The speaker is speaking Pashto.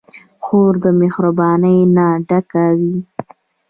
خور د مهربانۍ نه ډکه وي.